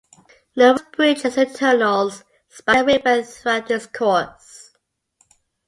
Numerous bridges and tunnels span the river throughout its course.